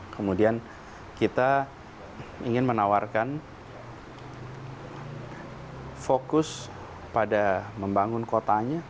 kemudian kita ingin menawarkan fokus pada membangun kotanya